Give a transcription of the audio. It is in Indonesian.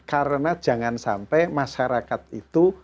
karena jangan sampai masyarakat itu